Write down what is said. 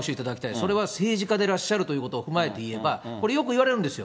それは政治家でいらっしゃるということを踏まえていえば、これよくいわれるんですよ。